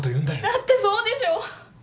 だってそうでしょ？